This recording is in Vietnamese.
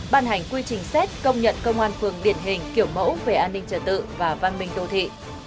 ban hành quy trình xét công nhận công an phường điển hình kiểu mẫu về an ninh trở tự và văn minh đô thị